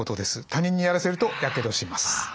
他人にやらせるとやけどします。